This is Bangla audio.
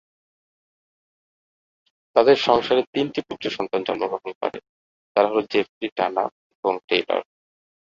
তাদের সংসারে তিনটি পুত্র সন্তান জন্মগ্রহণ করে, তারা হল জেফ্রি, ডানা এবং টেইলর।